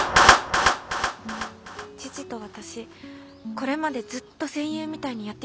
父と私これまでずっと戦友みたいにやってきたんです。